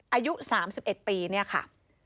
อายุ๓๑ปีเนี่ยค่ะ